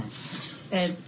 えっと